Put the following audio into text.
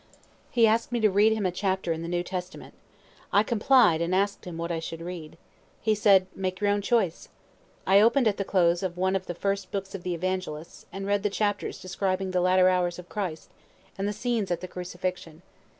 He asked me to read him a chapter in the New Testament. I complied, and ask'd him what I should read. He said, "Make your own choice." I open'd at the close of one of the first books of the evangelists, and read the chapters describing the latter hours of Christ, and the scenes at the crucifixion.